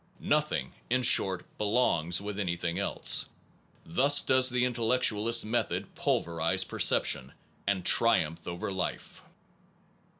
Nothing, in short, belongs with anything else. Thus does the intellectual ist method pulverize perception and triumph over life.